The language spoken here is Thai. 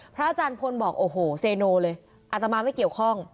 อาจารย์พลบอกโอ้โหเซโนเลยอาตมาไม่เกี่ยวข้อง